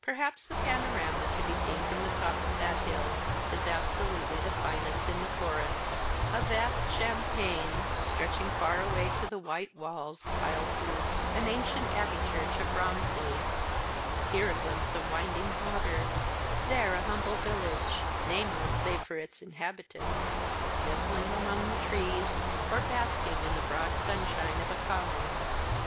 Perhaps the panorama to be seen from the top of that hill is absolutely the finest in the Forest a vast champaign, stretching far away to the white walls, tiled roofs, and ancient abbey church of Romsey; here a glimpse of winding water, there a humble village nameless save for its inhabitants nestling among the trees, or basking in the broad sunshine of a common.